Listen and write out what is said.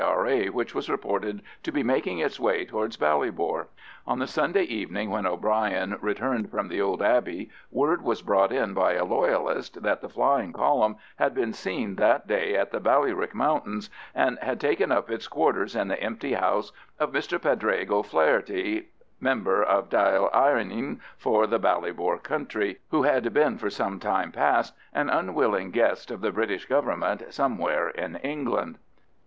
R.A. which was reported to be making its way towards Ballybor. On the Sunday evening when O'Bryan returned from the old abbey, word was brought in by a Loyalist that the flying column had been seen that day in the Ballyrick mountains, and had taken up its quarters in the empty house of Mr Padraig O'Faherty, member of Dail Eireann for the Ballybor country, who had been for some time past an unwilling guest of the British Government somewhere in England.